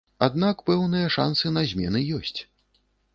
Аднак пэўныя шансы на змены ёсць.